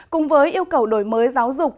cùng với yêu cầu đổi mới giáo dục